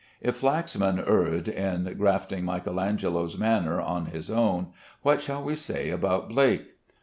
If Flaxman erred in grafting Michael Angelo's manner on his own, what shall we say about Blake?